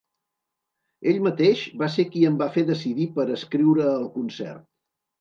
Ell mateix va ser qui em va fer decidir per escriure el concert.